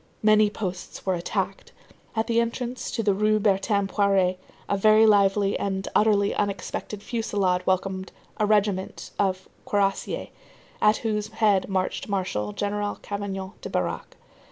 Many posts were attacked. At the entrance to the Rue Bertin Poirée, a very lively and utterly unexpected fusillade welcomed a regiment of cuirrassiers, at whose head marched Marshal General Cavaignac de Barague.